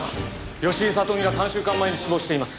吉井聡美は３週間前に死亡しています。